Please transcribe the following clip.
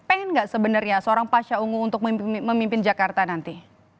pengen gak sebenarnya seorang pasca ungu untuk memimpin jakarta nanti